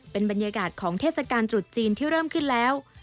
เป็นบรรยากาศของเทศกาลตรุษจีนที่เริ่มขึ้นแล้ว